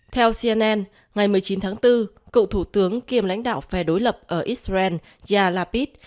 theo cnn ngày một mươi chín tháng bốn cựu thủ tướng kiêm lãnh đạo phe đối lập ở israel yalapid